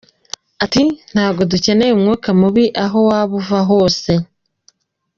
Ati "Ntabwo dukeneye umwuka mubi aho waba uva hose.